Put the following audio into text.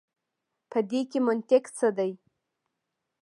په دې کښي منطق څه دی.